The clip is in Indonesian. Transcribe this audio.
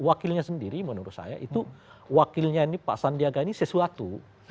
dan wakilnya sendiri menurut saya itu wakilnya ini pak sandiaga ini sesuatu